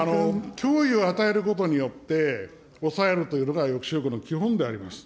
脅威を与えることによって、抑えるというのが抑止力の基本であります。